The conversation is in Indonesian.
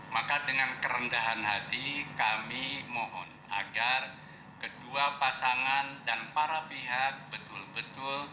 maka dengan kerendahan hati kami mohon agar kedua pasangan calon presiden dan calon wakil presiden bersabar dan menunggu hasil resmi perhitungan suara pemilu dari kpu